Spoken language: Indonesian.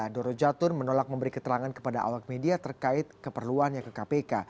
doro jatun menolak memberi keterangan kepada awak media terkait keperluannya ke kpk